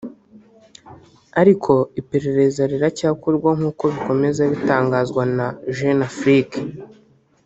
ariko iperereza riracyakorwa nkuko bikomeza bitangazwa na Jeune Afrique